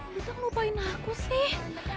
minta ngelupain aku sih